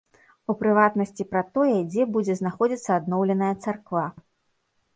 У прыватнасці пра тое, дзе будзе знаходзіцца адноўленая царква.